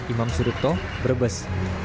imam sudipto brebes